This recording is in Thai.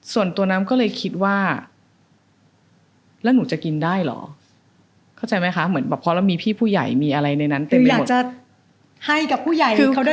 ส่วนตัวน้ำก็เลยคิดว่าแล้วหนูจะกินได้เหรอเข้าใจไหมคะเหมือนแบบเพราะเรามีพี่ผู้ใหญ่มีอะไรในนั้นเต็มไปหมด